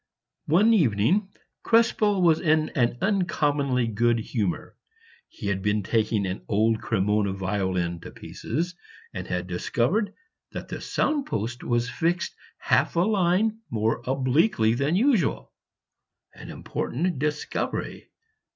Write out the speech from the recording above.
One evening Krespel was in an uncommonly good humor; he had been taking an old Cremona violin to pieces, and had discovered that the sound post was fixed half a line more obliquely than usual an important discovery!